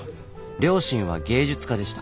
両親は芸術家でした。